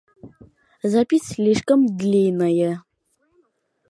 Европейский союз неоднократно их излагал, в том числе здесь, в Организации Объединенных Наций.